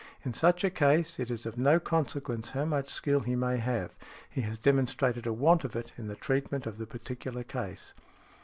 In such a case, it is of no consequence how much skill he may have; he has demonstrated a want of it in the treatment of the particular case.